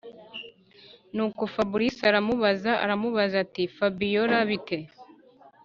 nuko fabric aramubaza aramubaza ati”fabiora bite